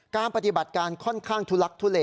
ปฏิบัติการค่อนข้างทุลักทุเล